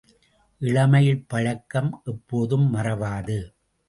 இளமையில் பழக்கம் எப்போதும் மறவாது.